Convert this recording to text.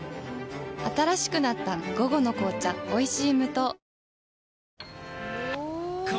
新しくなった「午後の紅茶おいしい無糖」